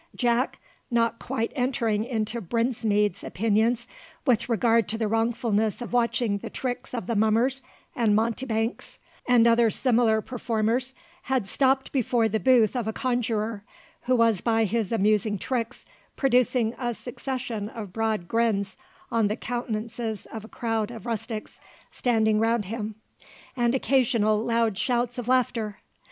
Jack, not quite entering into Brinsmead's opinions with regard to the wrongfulness of watching the tricks of the mummers and mountebanks and other similar performers, had stopped before the booth of a conjurer, who was by his amusing tricks producing a succession of broad grins on the countenances of a crowd of rustics standing round him, and occasional loud shouts of laughter.